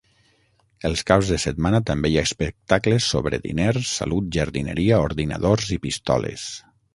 Els caps de setmana també hi ha espectacles sobre diners, salut, jardineria, ordinadors i pistoles.